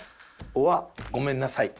ｏｒ「ごめんなさい」。